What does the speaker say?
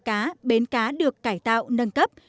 cảnh cá được cải tạo nâng cấp